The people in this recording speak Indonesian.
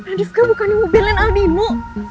nadif gue bukan mau belain aldino